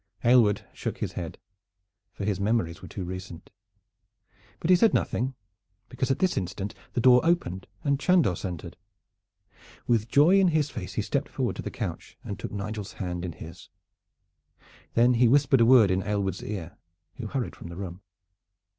Aylward shook his head, for his memories were too recent; but he said nothing, because at this instant the door opened and Chandos entered. With joy in his face he stepped forward to the couch and took Nigel's hand in his. Then he whispered a word in Aylward's ear, who hurried from the room.